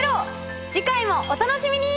次回もお楽しみに！